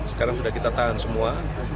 sekarang sudah kita tahan semua